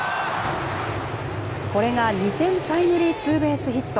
これが２点タイムリーツーベースヒット。